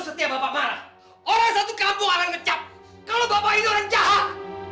setiap bapak marah orang satu kampung orang ngecap kalau bapak ini orang jahat